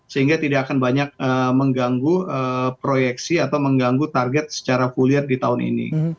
sehingga tidak akan banyak mengganggu proyeksi atau mengganggu target secara full year di tahun ini